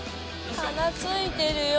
鼻ついてるよ。